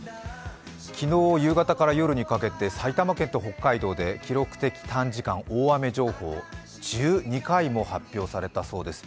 昨日夕方から夜にかけて埼玉県と北海道で記録的短時間大雨情報、１２回も発表されたそうです。